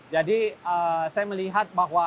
jadi saya melihat bahwa